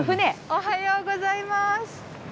おはようございます。